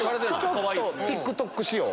ＴｉｋＴｏｋ仕様。